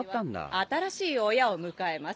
新しい親を迎えます。